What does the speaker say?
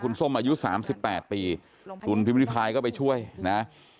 คุณส้มอายุ๓๘ปีคุณพิมพิริพายก็ไปช่วยนะ